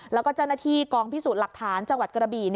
แล้วก็เจ้าหน้าที่กองพิสูจน์หลักฐานจังหวัดกระบี่